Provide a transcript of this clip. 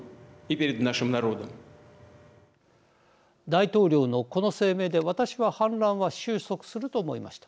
大統領のこの声明で私は反乱は収束すると思いました。